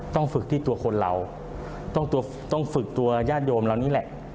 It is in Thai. ฝึกที่ตัวคนเราต้องฝึกตัวญาติโยมเรานี่แหละ